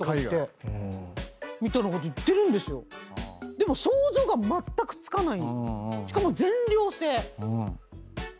でも想像がまったくつかない。